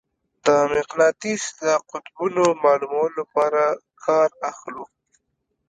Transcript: د مقناطیس د قطبونو معلومولو لپاره کار اخلو.